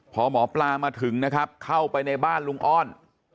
พอหมอปลามาถึงนะครับเข้าไปในบ้านลุงอ้อน